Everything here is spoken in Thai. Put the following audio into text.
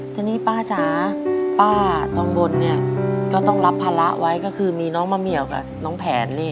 ทีนี้ป้าจ๋าป้าทองบนเนี่ยก็ต้องรับภาระไว้ก็คือมีน้องมะเหมียวกับน้องแผนนี่